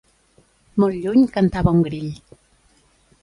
Molt lluny cantava un grill.